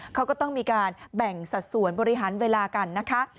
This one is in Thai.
เขาก็ต้องมีการแบ่งสัดส่วนบริหารเวลากันนะคะ